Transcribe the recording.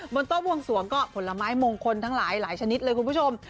โต๊ะบวงสวงก็ผลไม้มงคลทั้งหลายชนิดเลยคุณผู้ชม